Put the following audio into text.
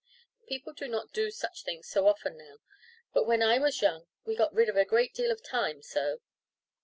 People do not do such things so often now; but when I was young we got rid of a great deal of time so.